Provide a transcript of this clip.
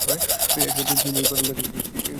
তিনিই প্রথম দেখান কি করে ম্যালেরিয়া ছড়ায়।